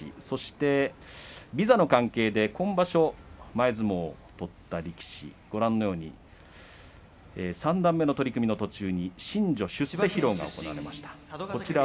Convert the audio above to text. そしてビザの関係で今場所、前相撲を取った力士ご覧のように三段目の取組の途中に新序出世披露が行われました。